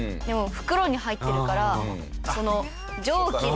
でも袋に入ってるから。